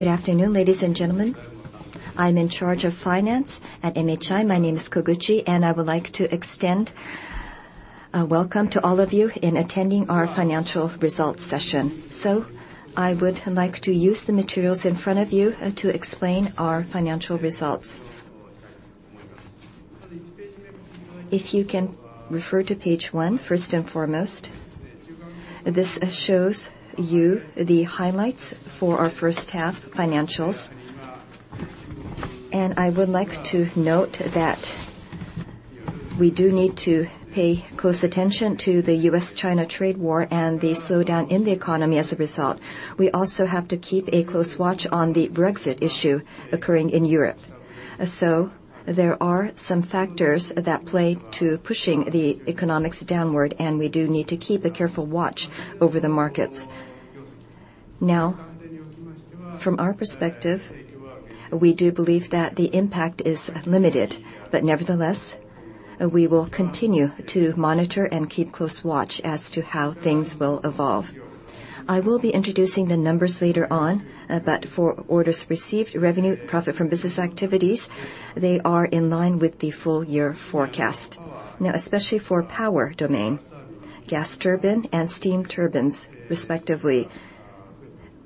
Good afternoon, ladies and gentlemen. I'm in charge of finance at MHI. My name is Koguchi. I would like to extend a welcome to all of you in attending our financial results session. I would like to use the materials in front of you to explain our financial results. If you can refer to page one, first and foremost, this shows you the highlights for our first half financials. I would like to note that we do need to pay close attention to the U.S.-China trade war and the slowdown in the economy as a result. We also have to keep a close watch on the Brexit issue occurring in Europe. There are some factors that play to pushing the economics downward, and we do need to keep a careful watch over the markets. From our perspective, we do believe that the impact is limited, but nevertheless, we will continue to monitor and keep close watch as to how things will evolve. I will be introducing the numbers later on, for orders received, revenue, profit from business activities, they are in line with the full year forecast. Especially for Power Domain, gas turbine and steam turbines, respectively,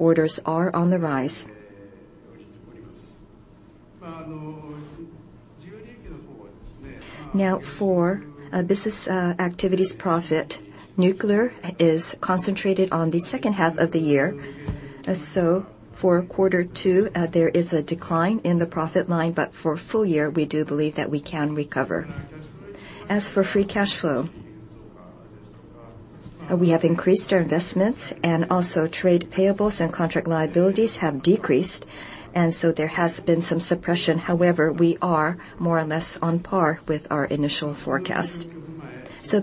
orders are on the rise. For business activities profit, nuclear is concentrated on the second half of the year. For Q2, there is a decline in the profit line, for full year, we do believe that we can recover. As for free cash flow, we have increased our investments and also trade payables and contract liabilities have decreased, and so there has been some suppression. However, we are more or less on par with our initial forecast.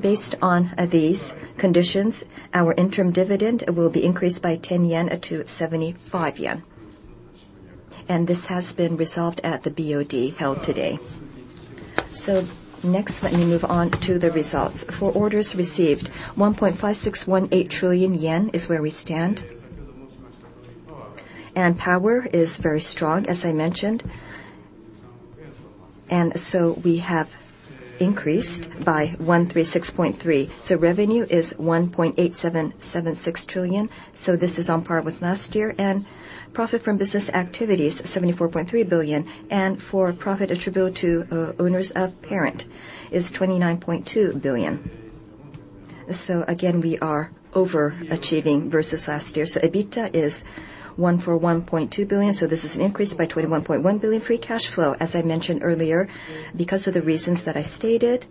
Based on these conditions, our interim dividend will be increased by 10 yen to 75 yen. This has been resolved at the BOD held today. Next, let me move on to the results. For orders received, 1.5618 trillion yen is where we stand. Power is very strong, as I mentioned. We have increased by 136.3. Revenue is 1.8776 trillion, this is on par with last year. Profit from business activities, 74.3 billion. For profit attributable to owners of parent is 29.2 billion. Again, we are overachieving versus last year. EBITDA is 141.2 billion, this is an increase by 21.1 billion. Free cash flow, as I mentioned earlier, because of the reasons that I stated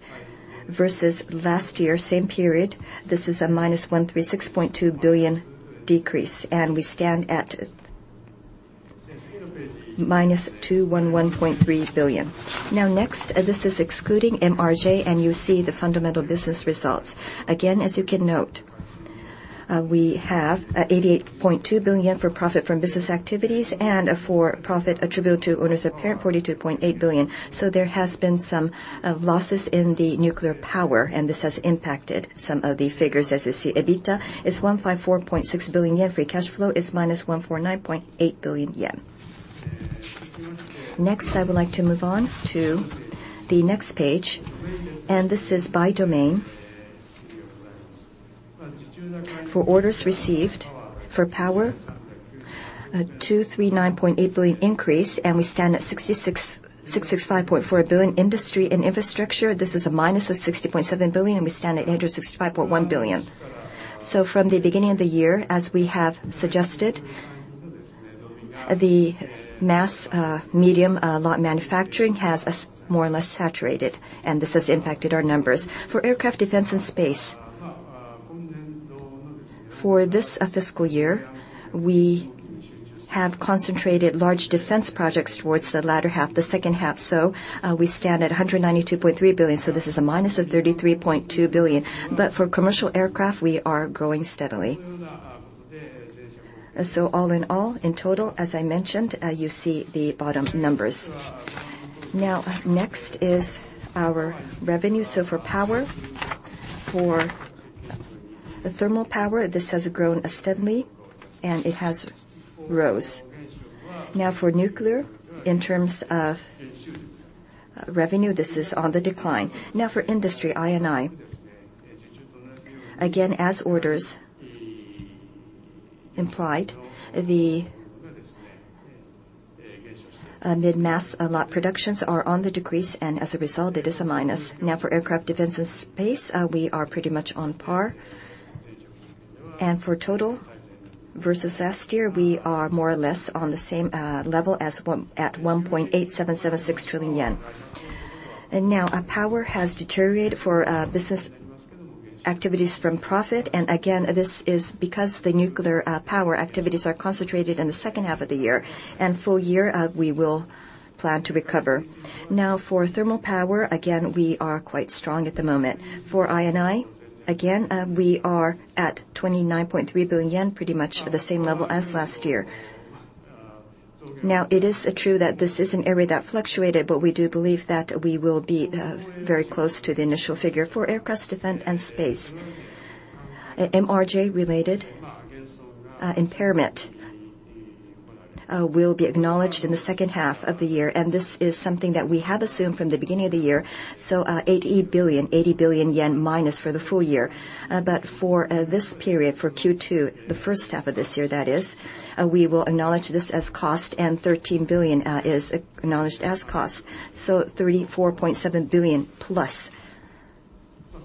versus last year, same period, this is a -136.2 billion decrease, we stand at -211.3 billion. Next, this is excluding MRJ. You see the fundamental business results. Again, as you can note, we have 88.2 billion for profit from business activities and for profit attributable to owners of parent, 42.8 billion. There has been some losses in the nuclear power. This has impacted some of the figures as you see. EBITDA is 154.6 billion yen. Free cash flow is -149.8 billion yen. Next, I would like to move on to the next page. This is by domain. For orders received for power, a 239.8 billion increase. We stand at 665.4 billion. Industry and Infrastructure, this is a -60.7 billion. We stand at 865.1 billion. From the beginning of the year, as we have suggested, the mass medium lot manufacturing has more or less saturated. This has impacted our numbers. For aircraft, defense and space, for this fiscal year, we have concentrated large defense projects towards the latter half, the second half. We stand at 192.3 billion. This is a minus of 33.2 billion. For commercial aircraft, we are growing steadily. All in all, in total, as I mentioned, you see the bottom numbers. Next is our revenue. For power, for the thermal power, this has grown steadily, and it has rose. For nuclear, in terms of revenue, this is on the decline. For industry, I&I, again, as orders implied, the mid-mass lot productions are on the decrease, and as a result, it is a minus. For aircraft, defense and space, we are pretty much on par. For total versus last year, we are more or less on the same level as at 1.8776 trillion yen. Now our power has deteriorated for business activities from profit. Again, this is because the nuclear power activities are concentrated in the second half of the year and full year, we will plan to recover. For thermal power, again, we are quite strong at the moment. For I&I, again, we are at 29.3 billion yen, pretty much the same level as last year. It is true that this is an area that fluctuated, but we do believe that we will be very close to the initial figure for aircraft, defense, and space. An MRJ-related impairment will be acknowledged in the second half of the year, and this is something that we have assumed from the beginning of the year. 80 billion minus for the full year. For this period, for Q2, the first half of this year that is, we will acknowledge this as cost and 13 billion is acknowledged as cost. 34.7 billion plus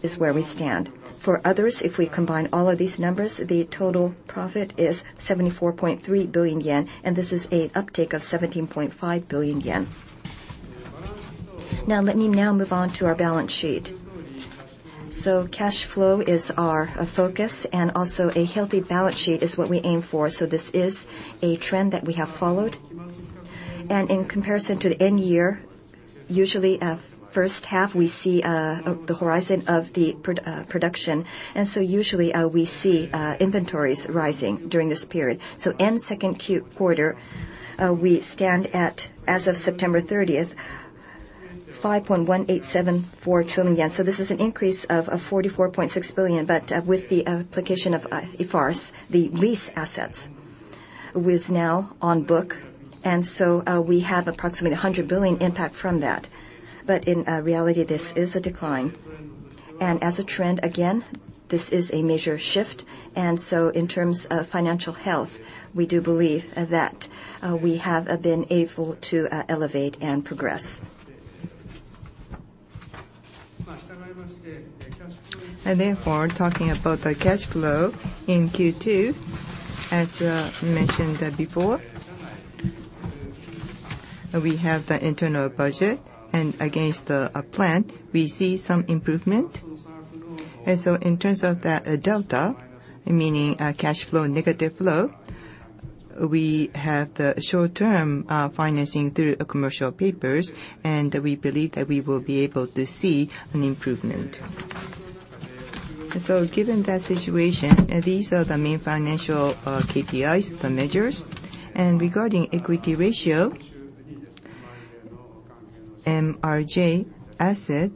is where we stand. For others, if we combine all of these numbers, the total profit is 74.3 billion yen, and this is a uptake of 17.5 billion yen. Let me now move on to our balance sheet. Cash flow is our focus and also a healthy balance sheet is what we aim for, so this is a trend that we have followed. In comparison to the end year, usually first half, we see the horizon of the production. Usually we see inventories rising during this period. End second quarter, we stand at, as of September 30th, 5.1874 trillion yen. This is an increase of 44.6 billion, but with the application of IFRS, the lease assets is now on book, and so we have approximately 100 billion impact from that. In reality, this is a decline. As a trend, again, this is a major shift, and so in terms of financial health, we do believe that we have been able to elevate and progress. Therefore, talking about the cash flow in Q2, as mentioned before, we have the internal budget, and against the plan, we see some improvement. In terms of the delta, meaning cash flow, negative flow, we have the short-term financing through commercial papers, and we believe that we will be able to see an improvement. Given that situation, these are the main financial KPIs, the measures. Regarding equity ratio, MRJ asset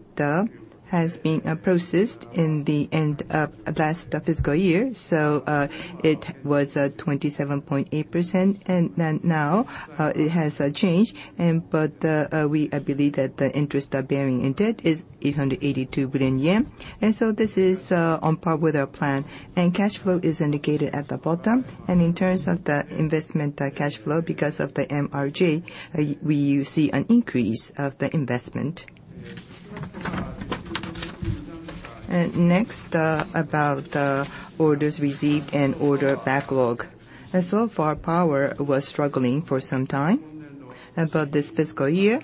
has been processed in the end of last fiscal year. It was at 27.8%, now it has changed. We believe that the interest bearing in debt is 882 billion yen. This is on par with our plan. Cash flow is indicated at the bottom. In terms of the investment cash flow, because of the MRJ, we see an increase of the investment. Next, about the orders received and order backlog. So far, power was struggling for some time. About this fiscal year,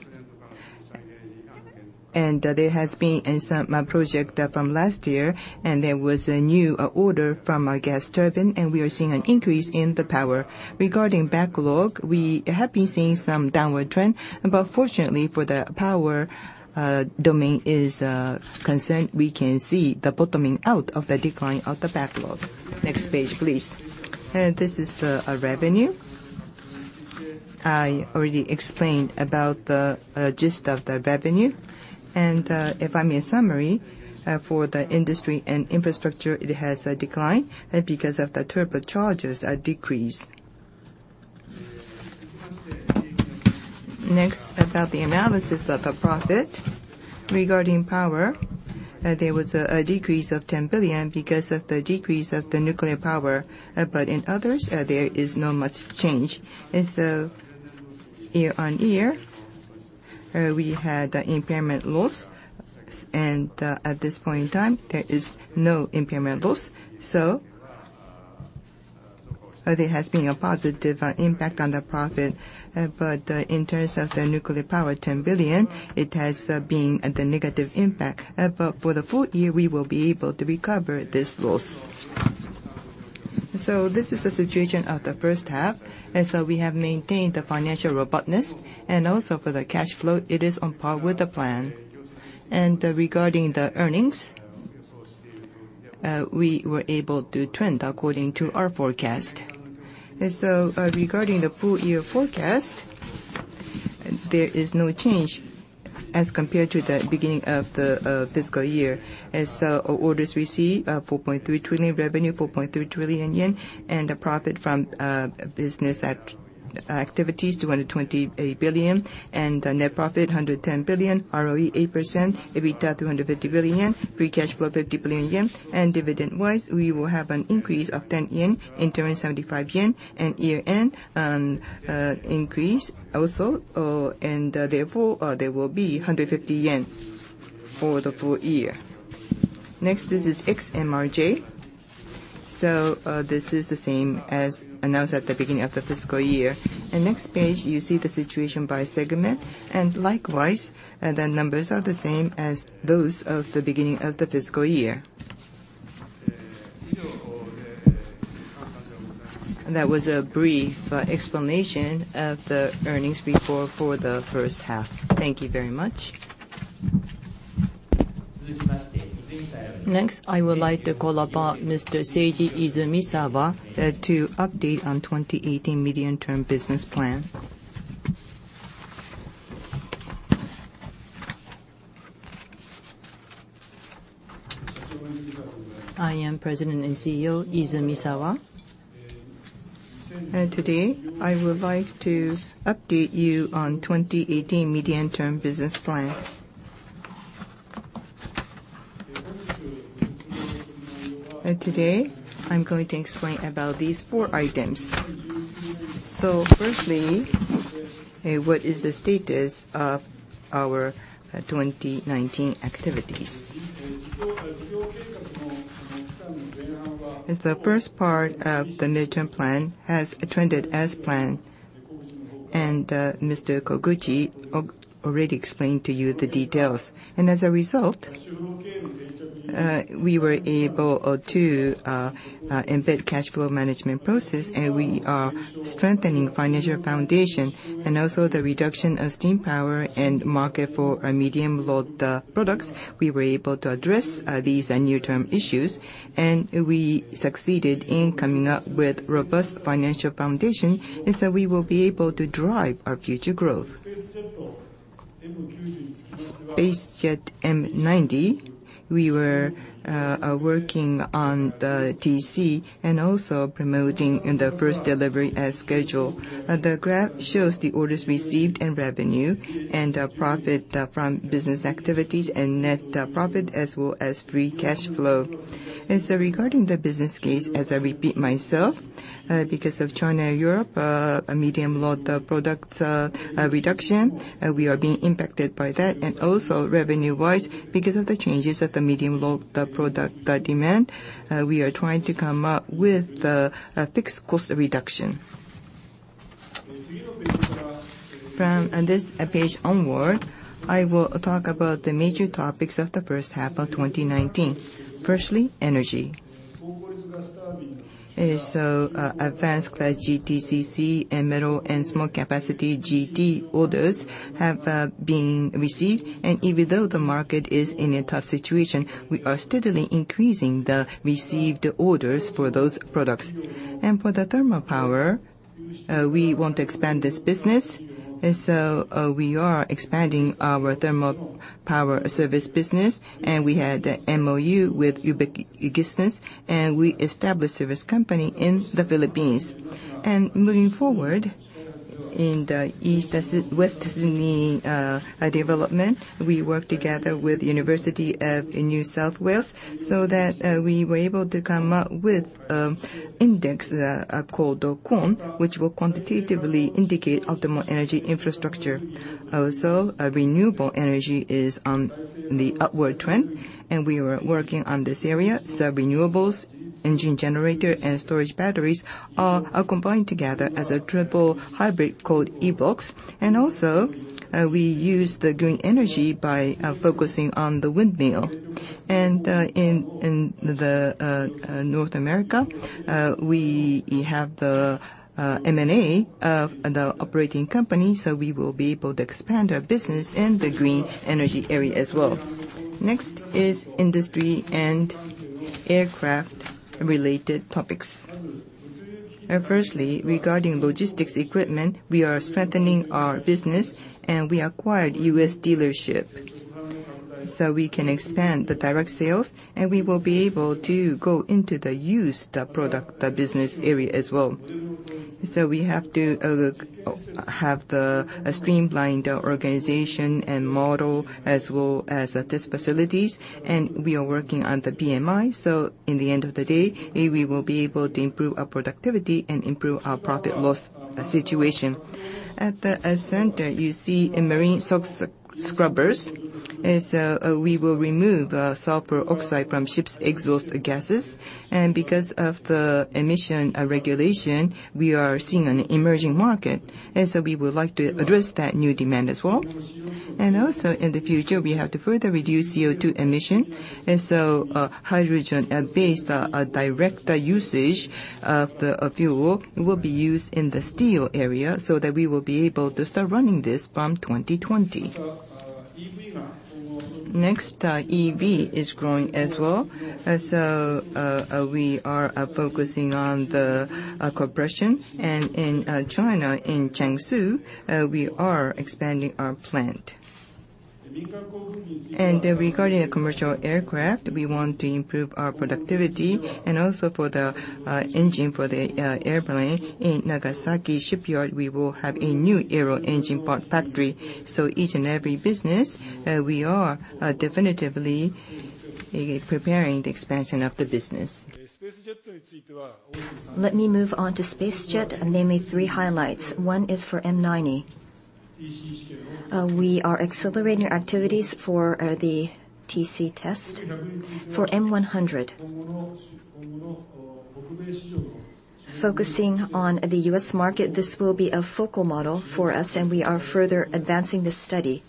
there has been some project from last year, there was a new order from a gas turbine, we are seeing an increase in the power. Regarding backlog, we have been seeing some downward trend, fortunately for the power domain is concerned, we can see the bottoming out of the decline of the backlog. Next page, please. This is the revenue. I already explained about the gist of the revenue. If I may summarize, for the industry and infrastructure, it has declined because of the turbochargers decrease. Next, about the analysis of the profit. Regarding power, there was a decrease of 10 billion because of the decrease of the nuclear power. In others, there is not much change. Year-on-year, we had the impairment loss, and at this point in time, there is no impairment loss. There has been a positive impact on the profit. In terms of the nuclear power, 10 billion, it has been the negative impact. For the full year, we will be able to recover this loss. This is the situation of the first half. We have maintained the financial robustness, and also for the cash flow, it is on par with the plan. Regarding the earnings, we were able to trend according to our forecast. Regarding the full-year forecast, there is no change as compared to the beginning of the fiscal year. Orders received, 4.3 trillion revenue, 4.3 trillion yen, and a profit from business activities, 228 billion, and net profit 110 billion, ROE 8%, EBITDA 250 billion, free cash flow, 50 billion yen, and dividend-wise, we will have an increase of 10 yen, interim 75 yen, and year-end increase also. Therefore, there will be 150 yen for the full year. Next, this is ex MRJ. This is the same as announced at the beginning of the fiscal year. Next page, you see the situation by segment, and likewise, the numbers are the same as those of the beginning of the fiscal year. That was a brief explanation of the earnings report for the first half. Thank you very much. Next, I would like to call upon Mr. Seiji Izumisawa to update on 2018 Medium-Term Business Plan. I am President and CEO Izumisawa. Today, I would like to update you on 2018 Medium-Term Business Plan. Today, I'm going to explain about these four items. Firstly, what is the status of our 2019 activities? The first part of the Medium-Term Business Plan has trended as planned, and Mr. Koguchi already explained to you the details. As a result, we were able to embed cash flow management process, and we are strengthening financial foundation. The reduction of steam power and market for medium-load products, we were able to address these near-term issues, and we succeeded in coming up with robust financial foundation. We will be able to drive our future growth. SpaceJet M90, we were working on the TC, and also promoting the first delivery as scheduled. The graph shows the orders received and revenue, and profit from business activities and net profit, as well as free cash flow. Regarding the business case, as I repeat myself, because of China, Europe, medium-load product reduction, we are being impacted by that. Revenue-wise, because of the changes of the medium-load product demand, we are trying to come up with fixed cost reduction. From this page onward, I will talk about the major topics of the first half of 2019. Firstly, energy. Advanced class GTCC and middle and small capacity GT orders have been received. Even though the market is in a tough situation, we are steadily increasing the received orders for those products. For the thermal power, we want to expand this business, we are expanding our thermal power service business, we had the MOU with Ube Ecogen, we established service company in the Philippines. Moving forward, in the Western Sydney development, we worked together with the University of New South Wales, that we were able to come up with an index called QoEn, which will quantitatively indicate optimal energy infrastructure. Also, renewable energy is on the upward trend, we are working on this area. Renewables, engine generator, and storage batteries are combined together as a triple hybrid called EBLOX. Also, we use the green energy by focusing on the windmill. In the North America, we have the M&A of the operating company, we will be able to expand our business in the green energy area as well. Next is industry and aircraft-related topics. Firstly, regarding logistics equipment, we are strengthening our business. We acquired U.S. dealership. We can expand the direct sales. We will be able to go into the used product business area as well. We have to have the streamlined organization and model as well as test facilities. We are working on the BMI. In the end of the day, we will be able to improve our productivity and improve our profit loss situation. At the center, you see marine scrubbers. We will remove sulfur oxide from ships' exhaust gases. Because of the emission regulation, we are seeing an emerging market. We would like to address that new demand as well. In the future, we have to further reduce CO2 emission. Hydrogen-based direct usage of the fuel will be used in the steel area, so that we will be able to start running this from 2020. Next, EV is growing as well. We are focusing on the compression. In China, in Jiangsu, we are expanding our plant. Regarding commercial aircraft, we want to improve our productivity and also for the engine for the airplane, in Nagasaki Shipyard, we will have a new aero engine part factory. Each and every business, we are definitively preparing the expansion of the business. Let me move on to SpaceJet, namely three highlights. One is for M90. We are accelerating our activities for the TC test. For M100, focusing on the U.S. market, this will be a focal model for us, and we are further advancing this study.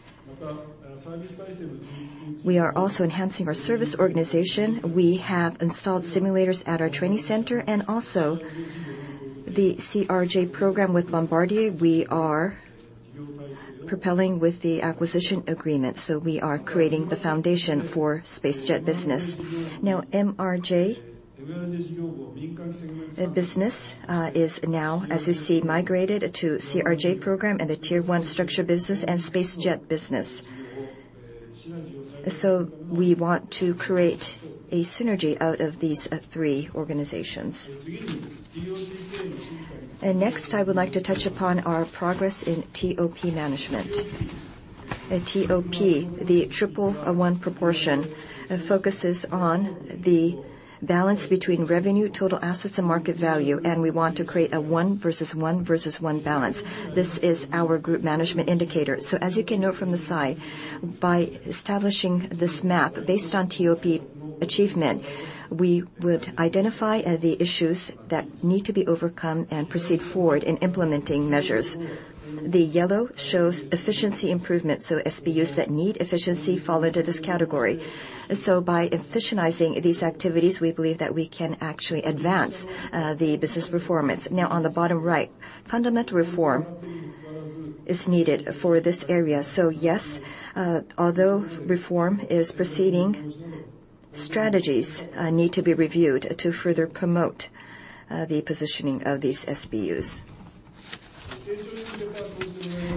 We are also enhancing our service organization. We have installed simulators at our training center, also the CRJ program with Bombardier, we are propelling with the acquisition agreement. We are creating the foundation for SpaceJet business. MRJ business is now, as you see, migrated to CRJ program and the Tier 1 structure business and SpaceJet business. We want to create a synergy out of these three organizations. Next, I would like to touch upon our progress in TOP management. TOP, the Triple One Proportion, focuses on the balance between revenue, total assets, and market value, and we want to create a one versus one versus one balance. This is our group management indicator. As you can note from the side, by establishing this map based on TOP achievement, we would identify the issues that need to be overcome and proceed forward in implementing measures. The yellow shows efficiency improvement. SBUs that need efficiency fall into this category. By efficientizing these activities, we believe that we can actually advance the business performance. Now, on the bottom right, fundamental reform is needed for this area. Yes, although reform is proceeding, strategies need to be reviewed to further promote the positioning of these SBUs.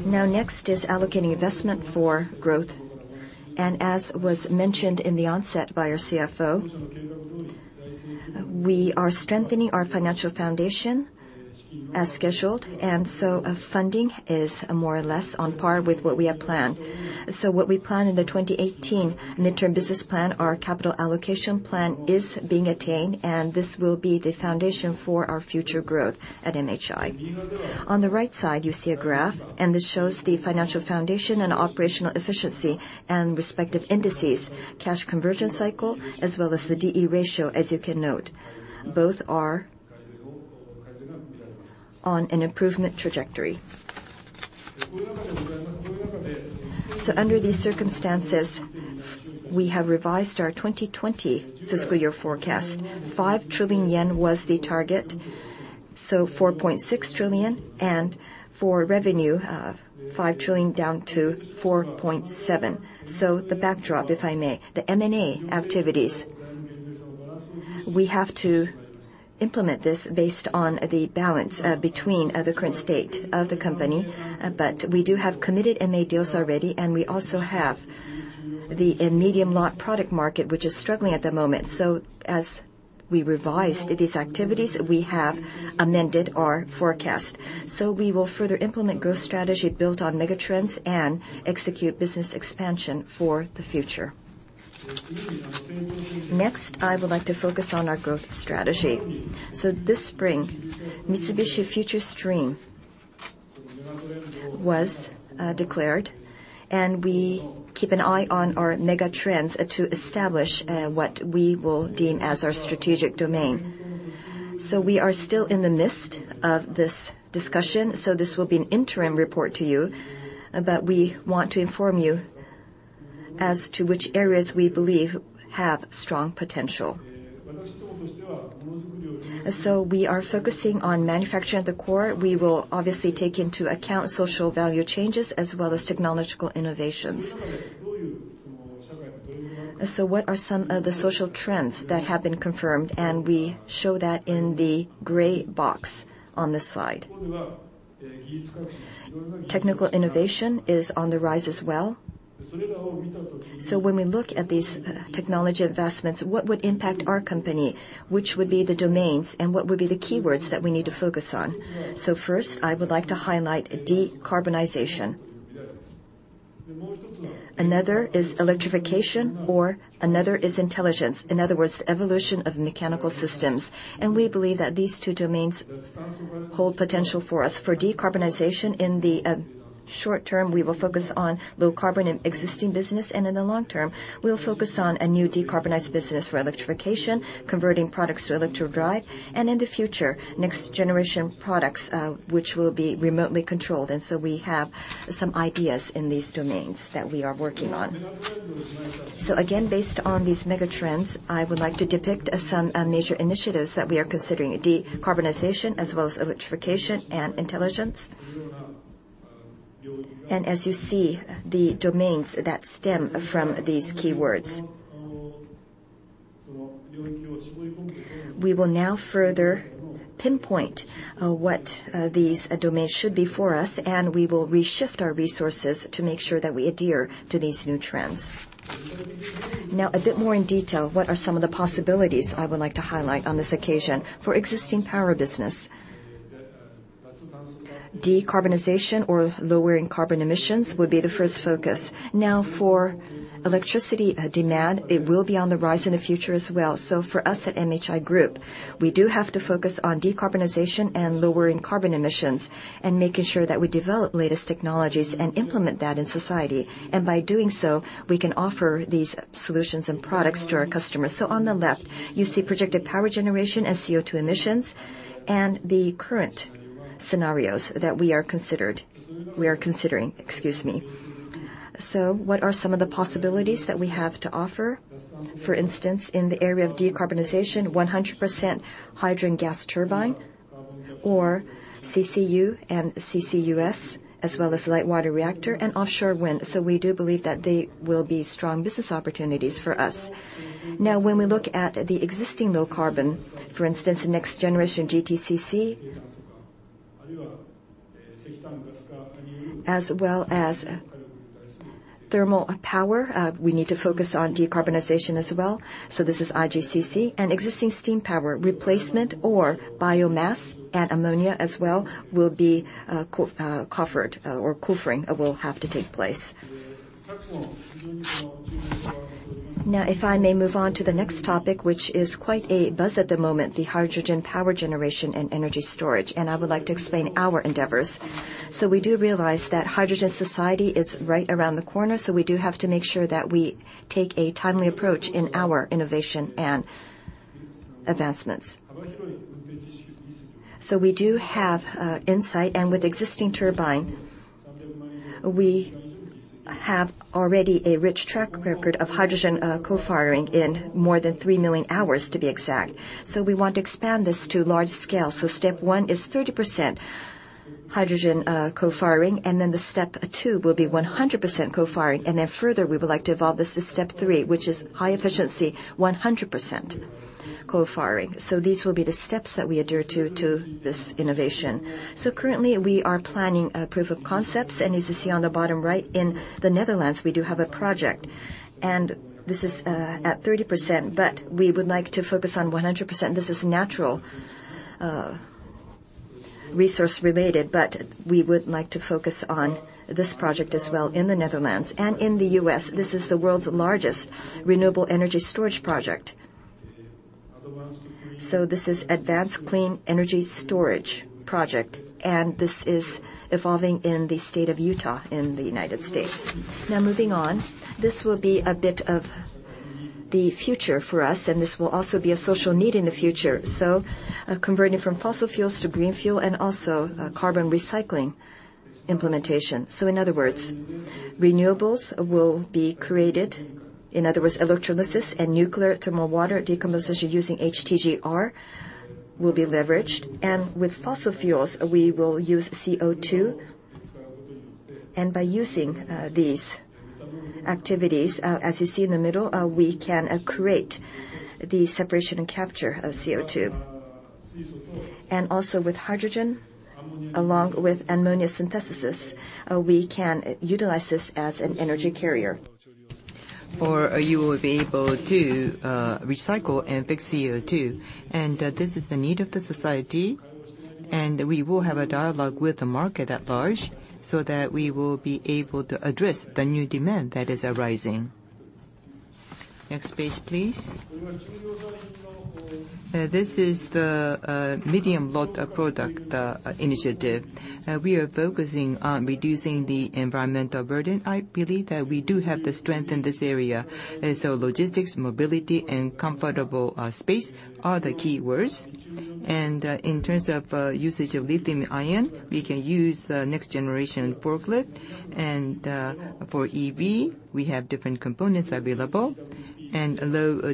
Next is allocating investment for growth. As was mentioned in the onset by our CFO, we are strengthening our financial foundation as scheduled, funding is more or less on par with what we have planned. What we plan in the 2018 Medium-Term Business Plan, our capital allocation plan is being attained, and this will be the foundation for our future growth at MHI. On the right side, you see a graph, this shows the financial foundation and operational efficiency and respective indices, Cash Conversion Cycle, as well as the D/E ratio, as you can note. Both are on an improvement trajectory. Under these circumstances, we have revised our 2020 fiscal year forecast. 5 trillion yen was the target, so 4.6 trillion, and for revenue, 5 trillion down to 4.7 trillion. The backdrop, if I may. The M&A activities, we have to implement this based on the balance between the current state of the company, but we do have committed M&A deals already, and we also have the medium lot product market, which is struggling at the moment. As we revised these activities, we have amended our forecast. We will further implement growth strategy built on mega trends and execute business expansion for the future. Next, I would like to focus on our growth strategy. This spring, Mitsubishi FUTURE STREAM was declared, and we keep an eye on our mega trends to establish what we will deem as our strategic domain. We are still in the midst of this discussion, so this will be an interim report to you, but we want to inform you as to which areas we believe have strong potential. We are focusing on manufacturing at the core. We will obviously take into account social value changes as well as technological innovations. What are some of the social trends that have been confirmed? We show that in the gray box on this slide. Technical innovation is on the rise as well. When we look at these technology investments, what would impact our company? Which would be the domains, and what would be the keywords that we need to focus on? First, I would like to highlight decarbonization. Another is electrification, or another is intelligence. In other words, the evolution of mechanical systems. We believe that these two domains hold potential for us. For decarbonization, in the short term, we will focus on low carbon in existing business, and in the long term, we'll focus on a new decarbonized business for electrification, converting products to electric drive, and in the future, next-generation products, which will be remotely controlled. We have some ideas in these domains that we are working on. Again, based on these mega trends, I would like to depict some major initiatives that we are considering, decarbonization as well as electrification and intelligence. As you see, the domains that stem from these keywords. We will now further pinpoint what these domains should be for us, and we will reshift our resources to make sure that we adhere to these new trends. A bit more in detail, what are some of the possibilities I would like to highlight on this occasion? For existing power business, decarbonization or lowering carbon emissions would be the first focus. For electricity demand, it will be on the rise in the future as well. For us at MHI Group, we do have to focus on decarbonization and lowering carbon emissions and making sure that we develop latest technologies and implement that in society. By doing so, we can offer these solutions and products to our customers. On the left, you see projected power generation and CO2 emissions and the current scenarios that we are considering. What are some of the possibilities that we have to offer? For instance, in the area of decarbonization, 100% hydrogen gas turbine or CCU and CCUS, as well as light water reactor and offshore wind. We do believe that they will be strong business opportunities for us. When we look at the existing low carbon, for instance, next generation GTCC as well as thermal power, we need to focus on decarbonization as well. This is IGCC. Existing steam power replacement or biomass and ammonia as well will be cofired, or cofiring will have to take place. If I may move on to the next topic, which is quite a buzz at the moment, the hydrogen power generation and energy storage, I would like to explain our endeavors. We do realize that hydrogen society is right around the corner, we do have to make sure that we take a timely approach in our innovation and advancements. We do have insight, and with existing turbine, we have already a rich track record of hydrogen cofiring in more than 3 million hours, to be exact. We want to expand this to large scale. Step 1 is 30% hydrogen cofiring, then the step 2 will be 100% cofiring. Further, we would like to evolve this to step 3, which is high efficiency, 100% cofiring. These will be the steps that we adhere to this innovation. Currently, we are planning proof of concepts. As you see on the bottom right, in the Netherlands, we do have a project. This is at 30%, but we would like to focus on 100%. This is natural resource related, but we would like to focus on this project as well in the Netherlands and in the U.S. This is the world's largest renewable energy storage project. This is Advanced Clean Energy Storage project, and this is evolving in the state of Utah in the United States. This will be a bit of the future for us, and this will also be a social need in the future. Converting from fossil fuels to green fuel, and also carbon recycling implementation. In other words, renewables will be created. In other words, electrolysis and nuclear thermal water decomposition using HTGR will be leveraged. With fossil fuels, we will use CO2. By using these activities, as you see in the middle, we can create the separation and capture of CO2. Also with hydrogen, along with ammonia synthesis, we can utilize this as an energy carrier. You will be able to recycle and fix CO2. This is the need of the society, and we will have a dialogue with the market at large so that we will be able to address the new demand that is arising. Next page, please. This is the medium lot product initiative. We are focusing on reducing the environmental burden. I believe that we do have the strength in this area. Logistics, mobility, and comfortable space are the keywords. In terms of usage of lithium-ion, we can use next generation forklift. For EV, we have different components available. Low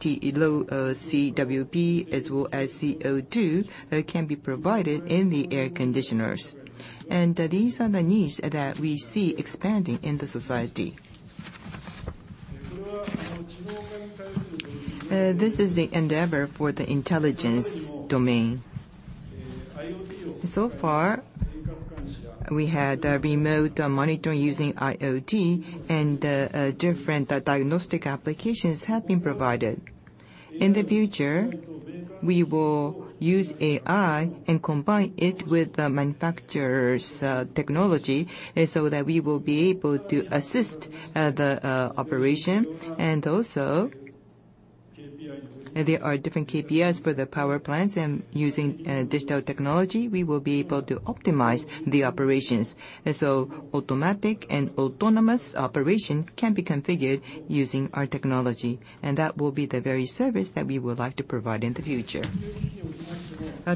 GWP as well as CO2 can be provided in the air conditioners. These are the needs that we see expanding in the society. This is the endeavor for the intelligence domain. So far, we had remote monitoring using IoT, and different diagnostic applications have been provided. In the future, we will use AI and combine it with the manufacturer's technology so that we will be able to assist the operation. There are different KPIs for the power plants, and using digital technology, we will be able to optimize the operations. Automatic and autonomous operation can be configured using our technology, and that will be the very service that we would like to provide in the future.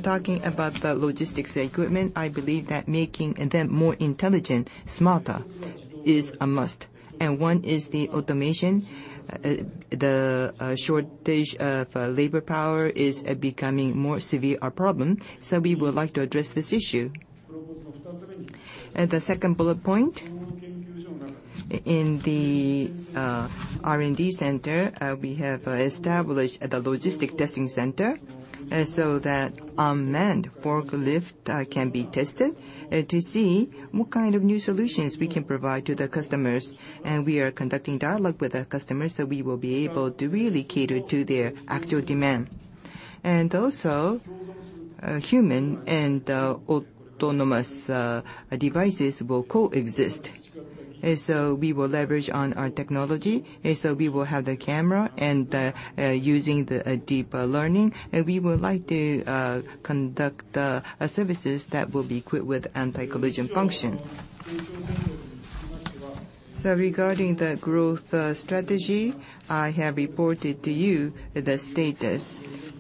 Talking about the logistics equipment, I believe that making them more intelligent, smarter, is a must. One is the automation. The shortage of labor power is becoming more severe a problem, so we would like to address this issue. The second bullet point, in the R&D center, we have established the logistic testing center so that unmanned forklift can be tested to see what kind of new solutions we can provide to the customers. We are conducting dialogue with the customers, so we will be able to really cater to their actual demand. Also, human and autonomous devices will coexist. We will leverage on our technology, so we will have the camera, and using the deep learning, we would like to conduct services that will be equipped with anti-collision function. Regarding the growth strategy, I have reported to you the status.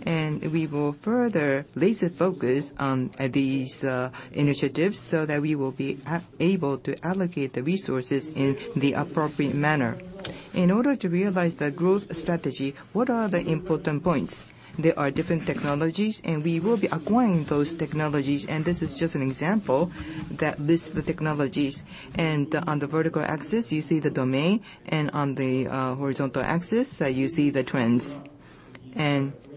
We will further laser focus on these initiatives so that we will be able to allocate the resources in the appropriate manner. In order to realize the growth strategy, what are the important points? There are different technologies, and we will be acquiring those technologies. This is just an example that lists the technologies. On the vertical axis, you see the domain, and on the horizontal axis, you see the trends.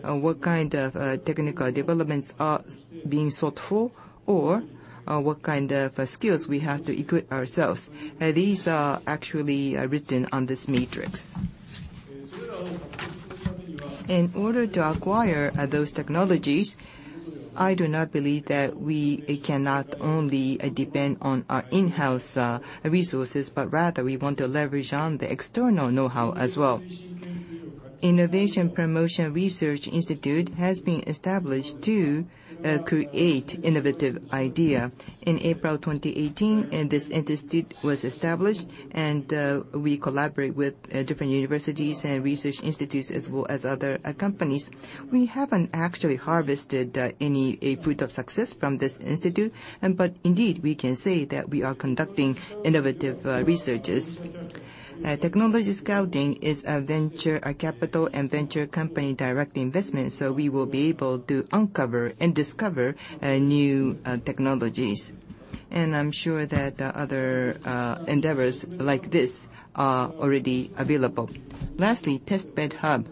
What kind of technical developments are being sought for or what kind of skills we have to equip ourselves. These are actually written on this matrix. In order to acquire those technologies, I do not believe that we cannot only depend on our in-house resources, but rather we want to leverage on the external know-how as well. Innovation Promotion Research Institute has been established to create innovative idea. In April 2018, this institute was established. We collaborate with different universities and research institutes, as well as other companies. We haven't actually harvested any fruit of success from this institute. Indeed, we can say that we are conducting innovative researches. Technology scouting is a venture capital and venture company direct investment. We will be able to uncover and discover new technologies. I'm sure that other endeavors like this are already available. Lastly, Test Bed Hub.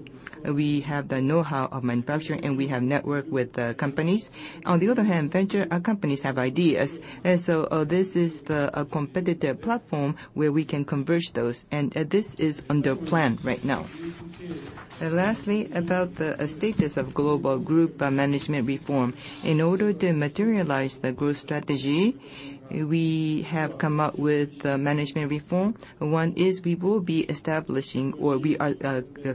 We have the know-how of manufacturing. We have network with companies. On the other hand, venture companies have ideas. This is the competitive platform where we can converge those, and this is under plan right now. About the status of Global Group Management Reform. In order to materialize the growth strategy, we have come up with management reform. One is we will be establishing, or we are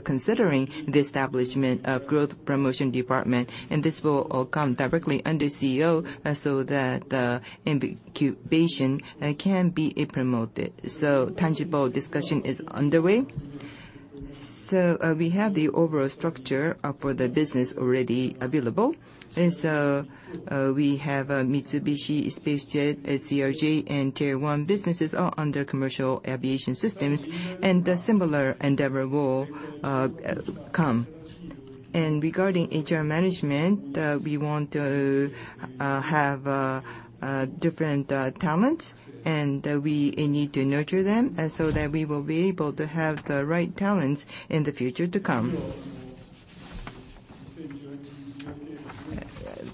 considering the establishment, of Growth Promotion Department, and this will all come directly under CEO so that the incubation can be promoted. Tangible discussion is underway. We have the overall structure for the business already available. We have Mitsubishi SpaceJet, CRJ, and Tier 1 businesses are under Commercial Aviation Systems, and a similar endeavor will come. Regarding HR management, we want to have different talents, and we need to nurture them so that we will be able to have the right talents in the future to come.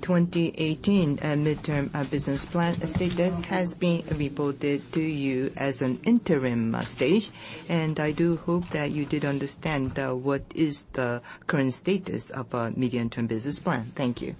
2018 Medium-Term Business Plan status has been reported to you as an interim stage. I do hope that you did understand what is the current status of our medium-term business plan. Thank you.